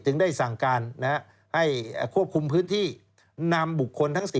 ได้สั่งการให้ควบคุมพื้นที่นำบุคคลทั้ง๔